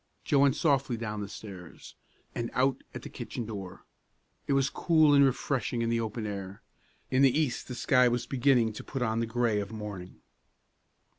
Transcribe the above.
Joe went softly down the stairs, and out at the kitchen door. It was cool and refreshing in the open air. In the east the sky was beginning to put on the gray of morning.